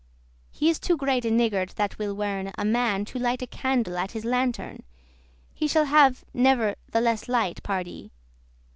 He is too great a niggard that will werne* *forbid A man to light a candle at his lantern; He shall have never the less light, pardie.